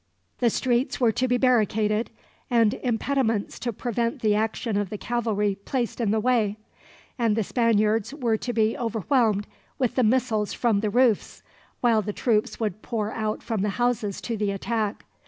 The streets were to be barricaded, and impediments to prevent the action of the cavalry placed in the way; and the Spaniards were to be overwhelmed with the missiles from the roofs, while the troops would pour out from the houses to the attack.